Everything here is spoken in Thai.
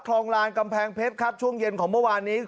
คลองลานกำแพงเพชรครับช่วงเย็นของเมื่อวานนี้